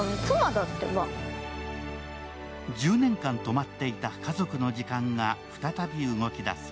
１０年間止まっていた家族の時間が再び動き出す。